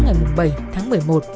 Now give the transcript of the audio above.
ngày bảy tháng một mươi một